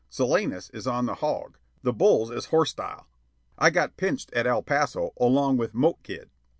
"Salinas is on the 'hog,' the 'bulls' is 'horstile.'" "I got 'pinched' at El Paso, along with Moke Kid."